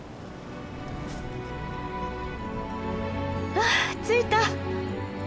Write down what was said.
わあ着いた！